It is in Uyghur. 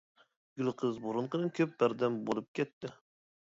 گۈلقىز بۇرۇنقىدىن كۆپ بەردەم بولۇپ كەتتى.